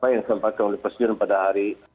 yang sempat dipersejuhkan pada hari